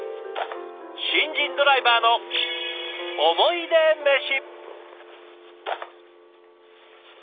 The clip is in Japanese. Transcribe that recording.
新人ドライバーの「おもいでメシ」。